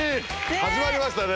始まりましたね